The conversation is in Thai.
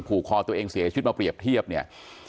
คอตัวเองเสียชีวิตมาเปรียบเทียบเนี่ย